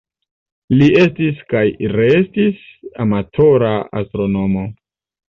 Li estis kaj restis amatora astronomo.